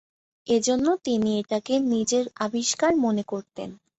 এজন্যই তিনি এটাকে নিজের আবিষ্কার মনে করতেন।